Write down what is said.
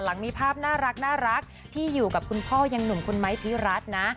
หลังมีภาพน่ารักที่อยู่กับคุณพ่อยังหนุ่มคุณไม้พิรัตน์นะ